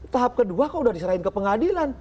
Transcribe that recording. tahap kedua kok udah diserahin ke pengadilan